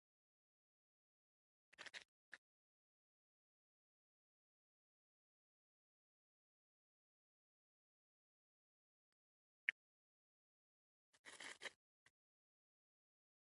افغانستان په دښتې باندې تکیه لري.